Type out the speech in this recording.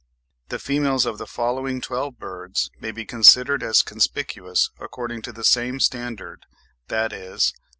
The females of the following 12 birds may be considered as conspicuous according to the same standard, viz.